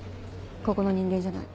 ここの人間じゃない。